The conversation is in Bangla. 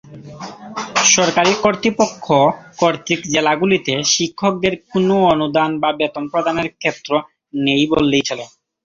সরকারি কর্তৃপক্ষ কর্তৃক জেলাগুলিতে শিক্ষকদের কোনও অনুদান বা বেতন প্রদানের ক্ষেত্র নেই বললেই চলে।